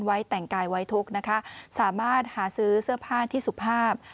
ไว้แต่งกายไว้ทุกข์นะคะสามารถหาซื้อเสื้อผ้าที่สุภาพ